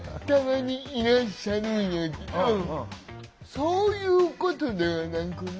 そういうことではなくて。